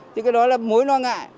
thì cái đó là mối lo ngại